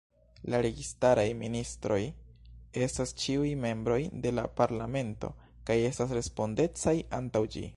La registaraj ministroj estas ĉiuj membroj de la Parlamento, kaj estas respondecaj antaŭ ĝi.